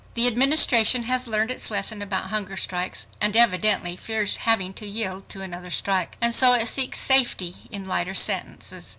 The Administration has learned its lesson about hunger strikes and evidently fears having to yield to another strike. And so it seeks safety in lighter sentences.